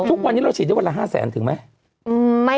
ทุกวันนี้เราฉีดได้วันละ๕แสนถึงไหม